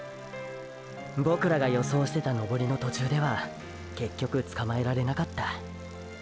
ボクらが予想してた登りの途中では結局つかまえられなかった。